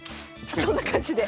そんな感じで。